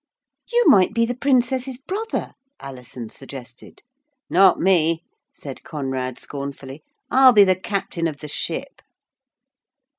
'You might be the Princess's brother,' Alison suggested. 'Not me,' said Conrad scornfully, 'I'll be the captain of the ship.'